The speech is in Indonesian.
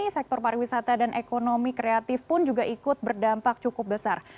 sektor pariwisata dan ekonomi kreatif pun juga ikut berdampak cukup besar